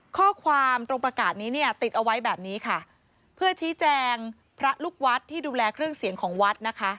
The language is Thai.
ข้อความตรงประกาศนี้เนี่ยติดเอาไว้แบบนี้ค่ะเพื่อชี้แจงพระลูกวัดที่ดูแลเครื่องเสียงของวัดนะคะ